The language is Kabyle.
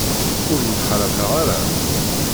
Ur mxallafeɣ ara.